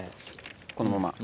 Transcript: このまま。